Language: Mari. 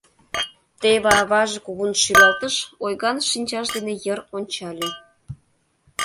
Теве аваже кугун шӱлалтыш, ойган шинчаж дене йыр ончале.